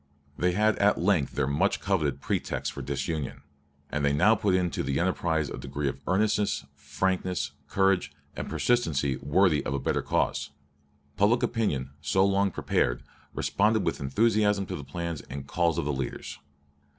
They had at length their much coveted pretext for disunion; and they now put into the enterprise a degree of earnestness, frankness, courage, and persistency worthy of a better cause. Public opinion, so long prepared, responded with enthusiasm to the plans and calls of the leaders.